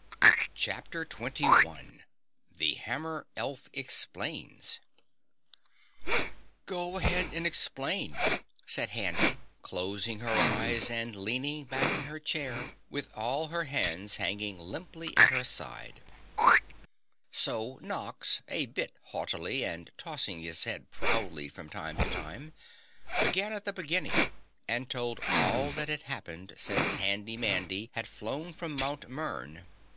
CHAPTER 21 The Hammer Elf Explains "Go ahead and explain," said Handy, closing her eyes and leaning back in her chair with all her hands hanging limply at her side. So Nox, a bit haughtily and tossing his head proudly from time to time, began at the beginning and told all that had happened since Handy Mandy had flown from Mt. Mern.